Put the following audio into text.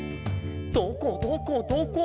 「どこどこどこ？」